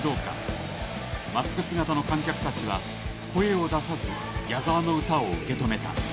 マスク姿の観客たちは声を出さず矢沢の歌を受け止めた。